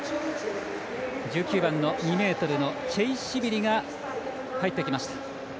１９番、２ｍのチェイシビリが入ってきました。